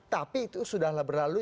tapi itu sudah berlalu